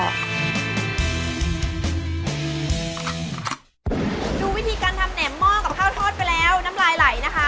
ดูวิธีการทำแหนมหม้อกับข้าวทอดไปแล้วน้ำลายไหลนะคะ